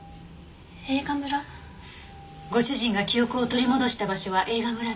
映画村？ご主人が記憶を取り戻した場所は映画村でした。